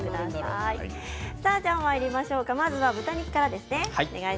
まず豚肉からですね。